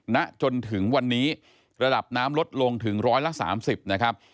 ณจนถึงวันนี้ระดับน้ำลดลงถึงร้อยละ๓๐นะครับ